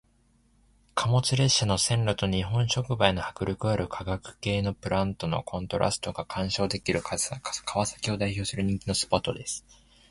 貨物列車の線路と日本触媒の迫力ある化学系のプラントのコントラストが鑑賞できる川崎を代表する人気のスポットです。